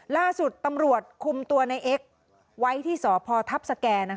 ล่าสุดตำรวจคุมตัวนายเอ็กซไว้ที่สอบพอทับสแกนนะคะ